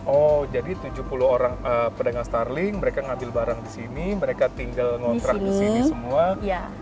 oh jadi tujuh puluh orang pedagang starling mereka ngambil barang di sini mereka tinggal ngontrak ke sini semua